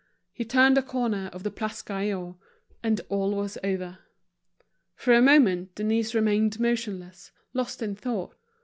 He turned the corner of the Place Gaillon, and all was over. For a moment, Denise remained motionless, lost in thought.